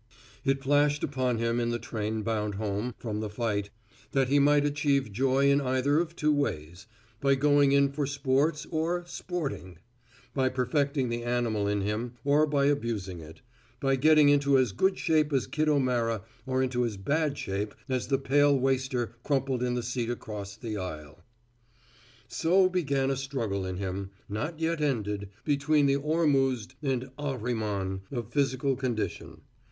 It flashed upon him in the train bound home from the fight that he might achieve joy in either of two ways, by going in for sports or "sporting," by perfecting the animal in him or by abusing it, by getting into as good shape as Kid O'Mara or into as bad shape as the pale waster crumpled in the seat across the aisle. So began a struggle in him, not yet ended, between the Ormuzd and Ahriman of physical condition.